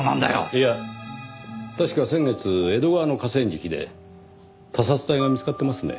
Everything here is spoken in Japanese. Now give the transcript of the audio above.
いや確か先月江戸川の河川敷で他殺体が見つかってますね。